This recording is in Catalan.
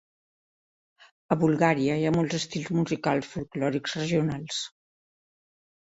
A Bulgària hi ha molts estils musicals folklòrics regionals.